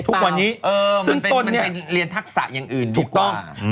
ทุกวันนี้เออมันเป็นมันเป็นเรียนทักษะอย่างอื่นดีกว่าถูกต้องอืม